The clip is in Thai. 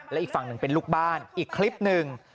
และอีกฝั่งเป็นลูกบ้านอีกคลิปนึง